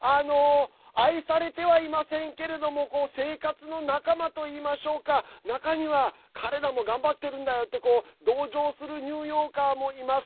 愛されてはいませんけれども生活の仲間といいましょうか中には彼らも頑張っているんだよと同情するニューヨーカーもいます。